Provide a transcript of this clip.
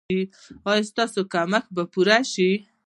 ایا ستاسو کمښت به پوره شي؟